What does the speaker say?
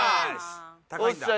高いんだ。